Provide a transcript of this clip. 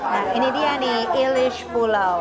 nah ini dia nih ilish pulau